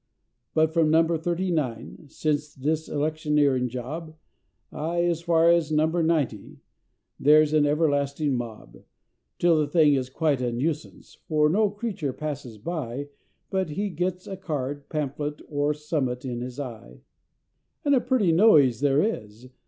But from Number Thirty Nine since this electioneering job, Ay, as far as Number Ninety, there's an everlasting mob; Till the thing is quite a nuisance, for no creature passes by, But he gets a card, a pamphlet, or a summut in his eye; And a pretty noise there is!